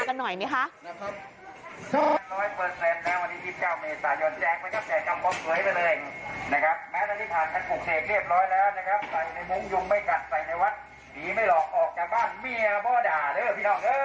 ออกจากบ้านเมียบ่อด่าเริ่มพี่น้องเริ่ม